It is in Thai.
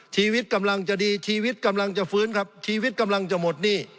ชีวิตกำลังจะดีชีวิตกำลังจะฟื้นครับชีวิตกำลังจะหมดหนี้